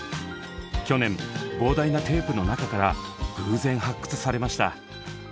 去年膨大なテープの中から偶然発掘されました。